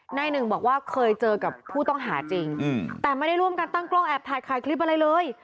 นายหนึ่งบอกว่าเคยเจอกับผู้ต้องหาจริงแต่ไม่ได้ร่วมกันตั้งกล้องแอบถ่ายขายคลิปอะไรเลย